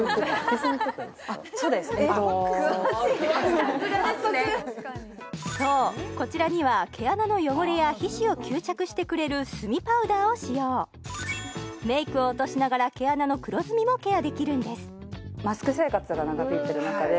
さすがですねそうこちらには毛穴の汚れや皮脂を吸着してくれる炭パウダーを使用メイクを落としながら毛穴の黒ずみもケアできるんです